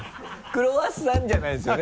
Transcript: クロワッサンじゃないんですよね？